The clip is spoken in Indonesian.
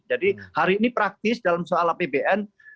jadi hari ini praktis dalam soal apbn